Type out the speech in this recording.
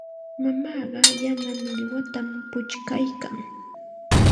Mamaaqa yana millwatam puchkaykan.